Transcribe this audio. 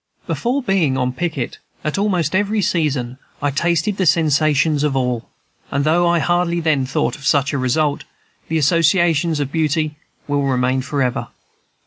Being afterwards on picket at almost every season, I tasted the sensations of all; and though I hardly then thought of such a result, the associations of beauty will remain forever.